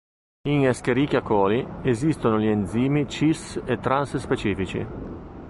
In Escherichia coli, esistono gli enzimi cis e trans specifici.